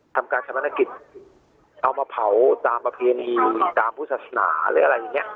ทำการทำธนกิจเอามาเผาตามอภีรีตามภูมิศาสนาหรืออะไรอย่างนี้นะครับ